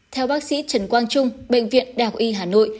theo bác sĩ trần quang trung bệnh viện đại học y hà nội